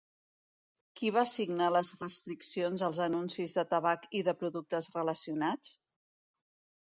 Qui va signar les restriccions als anuncis de tabac i de productes relacionats?